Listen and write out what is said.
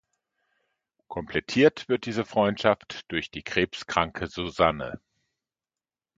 Komplettiert wird diese Freundschaft durch die krebskranke Susanne.